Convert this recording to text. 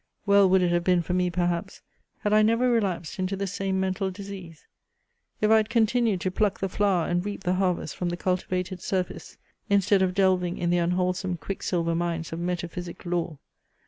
Well would it have been for me, perhaps, had I never relapsed into the same mental disease; if I had continued to pluck the flower and reap the harvest from the cultivated surface, instead of delving in the unwholesome quicksilver mines of metaphysic lore.